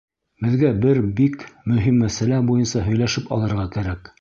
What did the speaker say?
Беҙгә бер бик мөһим мәсьәлә буйынса һөйләшеп алырға кәрәк.